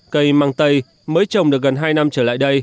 cây măng tây mới trồng được gần hai năm trở lại